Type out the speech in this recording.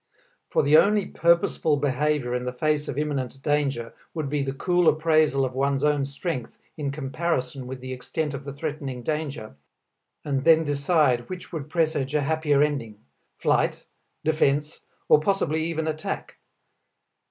For the only purposeful behavior in the face of imminent danger would be the cool appraisal of one's own strength in comparison with the extent of the threatening danger, and then decide which would presage a happier ending: flight, defense, or possibly even attack.